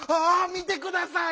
見てください！